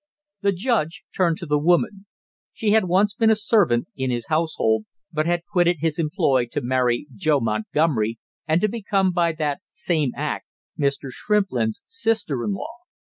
The judge turned to the woman. She had once been a servant in his household, but had quitted his employ to marry Joe Montgomery, and to become by that same act Mr. Shrimplin's sister in law.